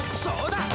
そうだ！